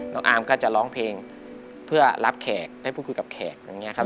อาร์มก็จะร้องเพลงเพื่อรับแขกได้พูดคุยกับแขกอย่างนี้ครับ